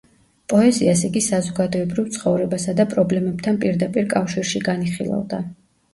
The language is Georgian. პოეზიას იგი საზოგადოებრივ ცხოვრებასა და პრობლემებთან პირდაპირ კავშირში განიხილავდა.